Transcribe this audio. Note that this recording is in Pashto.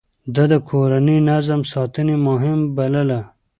ده د کورني نظم ساتنه مهمه بلله.